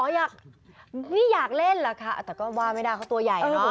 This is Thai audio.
อยากนี่อยากเล่นเหรอคะแต่ก็ว่าไม่ได้เขาตัวใหญ่เนอะ